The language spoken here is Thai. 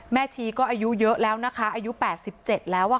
ชีก็อายุเยอะแล้วนะคะอายุ๘๗แล้ว